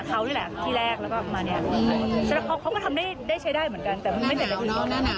เขานะนาวอุ่นตอนนี้ด้านข้างอุ้มหน้าเลย